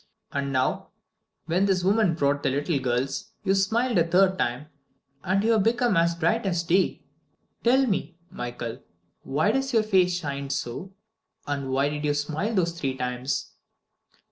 And now, when this woman brought the little girls, you smiled a third time, and have become as bright as day? Tell me, Michael, why does your face shine so, and why did you smile those three times?"